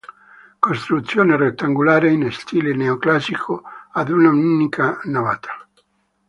Costruzione rettangolare in stile neoclassico ad un'unica navata.